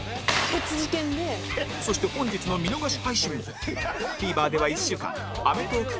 そして本日の見逃し配信も ＴＶｅｒ では１週間アメトーーク